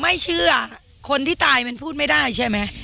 ไม่เชื่อคนที่ตายมันพูดไม่ได้ใช่ไหม